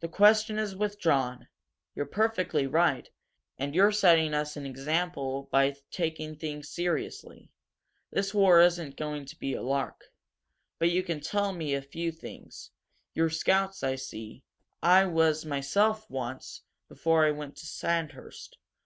"The question is withdrawn. You're perfectly right and you're setting us an example by taking things seriously. This war isn't going to be a lark. But you can tell me a few things. You're scouts, I see. I was myself, once before I went to Sandhurst.